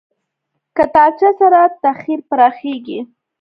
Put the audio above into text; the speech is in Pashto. کتابچه سره تخیل پراخېږي